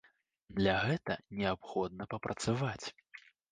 Для гэта неабходна папрацаваць.